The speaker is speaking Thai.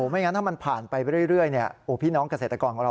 ไม่งั้นถ้ามันผ่านไปเรื่อยพี่น้องเกษตรกรของเรา